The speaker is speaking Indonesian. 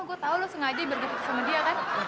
oh gue tau lu sengaja bergedek sama dia kan